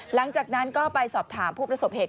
หลังจากนั้นก็ไปสอบถามผู้ประสบเหตุ